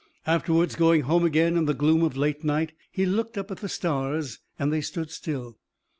Afterwards, going home again in the gloom of late night, he looked up at the stars and they stood still.